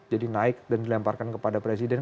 jadi naik dan dilemparkan kepada presiden